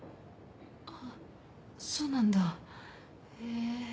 あっそうなんだへぇ。